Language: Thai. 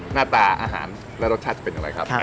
หน้าตาอาหารรสชาติเป็นอะไรครับ